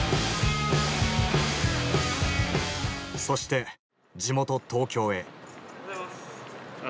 そして地元東京へ。